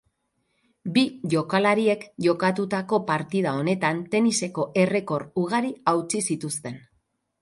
Bi jokalariek jokatutako partida honetan teniseko errekor ugari hautsi zituzten.